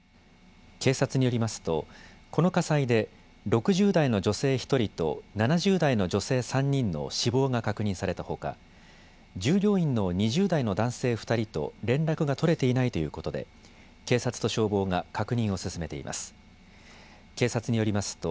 警察によりますとこの火災で６０代の女性１人と７０代の女性３人の死亡が確認されたほか従業員の２０代の男性２人と連絡が取れていないということで警察と消防が確認を進めています。